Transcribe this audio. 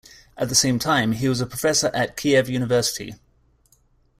At the same time, he was a professor at Kyiv University.